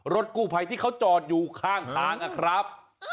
รถกู้ภัยที่เขาจอดอยู่ข้างทางนะครับ